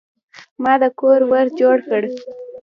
ما د کور ور جوړ کړ.